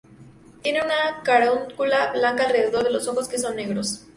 Tiene una carúncula blanca alrededor de los ojos, que son negros.